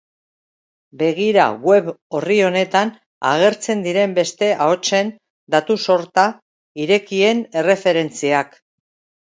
Begira web-orri honetan agertzen diren beste ahotsen datu-sorta irekien erreferentziak.